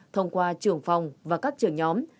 thông qua trưởng phòng và các trưởng nhóm